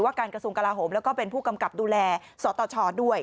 การกระทรวงกลาโหมแล้วก็เป็นผู้กำกับดูแลสตชด้วย